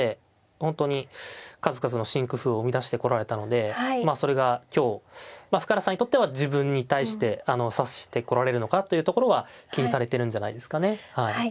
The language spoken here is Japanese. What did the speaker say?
本当に数々の新工夫を生み出してこられたのでまあそれが今日深浦さんにとっては自分に対して指してこられるのかなというところは気にされてるんじゃないですかね。